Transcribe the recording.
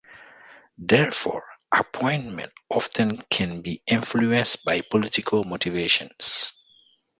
Therefore, apportionment often can be influenced by political motivations.